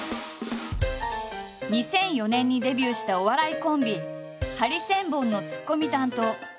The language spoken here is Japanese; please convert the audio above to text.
２００４年にデビューしたお笑いコンビハリセンボンのツッコミ担当。